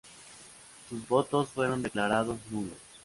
Sus votos fueron declarados nulos.